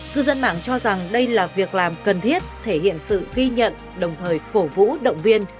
cư dân mạng cho rằng đây là việc làm cần thiết thể hiện sự ghi nhận đồng thời cổ vũ động viên